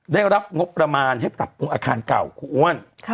ได้รับงบประมาณให้ปรับปรุงอาคารเก่าครูอ้วน